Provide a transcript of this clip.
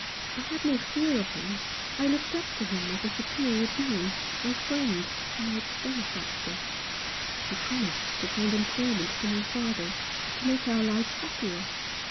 I had no fear of him. I looked up to him as a superior being — my friend, my benefactor. He promised to find employment for my father ; to make our lives happier.